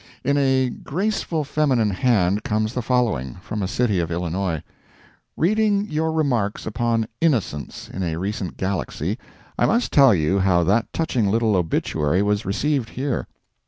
In a graceful feminine hand comes the following, from a city of Illinois: Reading your remarks upon "innocents" in a recent GALAXY, I must tell you how that touching little obituary was received here.